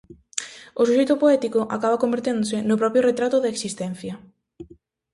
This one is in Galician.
O suxeito poético acaba converténdose no propio retrato da existencia.